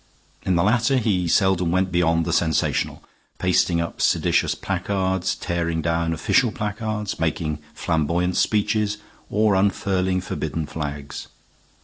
In the latter he seldom went beyond the sensational pasting up seditious placards, tearing down official placards, making flamboyant speeches, or unfurling forbidden flags.